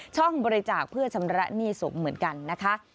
ช่องบริจาคเพื่อชำระหนี้สงฆ์เหมือนกันนะคะ